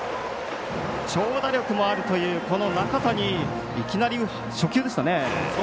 長打力もあるという中谷いきなり初球でしたね。